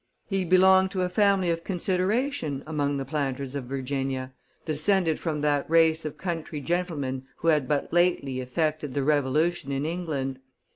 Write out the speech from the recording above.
He belonged to a family of consideration among the planters of Virginia, descended from that race of country gentlemen who had but lately effected the revolution in England.